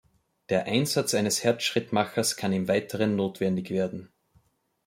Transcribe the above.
Der Einsatz eines Herzschrittmachers kann im Weiteren notwendig werden.